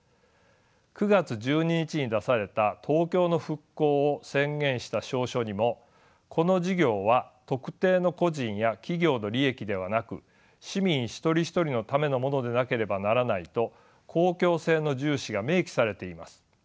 ９月１２日に出された東京の復興を宣言した詔書にもこの事業は特定の個人や企業の利益ではなく市民一人一人のためのものでなければならないと公共性の重視が明記されています。